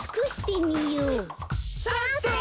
さんせい！